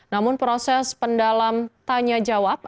namun proses pendalam tanya jawab